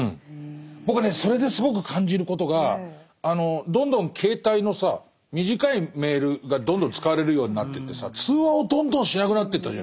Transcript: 僕はねそれですごく感じることがどんどん携帯のさ短いメールがどんどん使われるようになってってさ通話をどんどんしなくなってったじゃない。